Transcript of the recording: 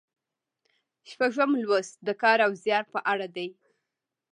شپږم لوست د کار او زیار په اړه دی.